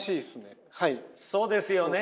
そうですよね。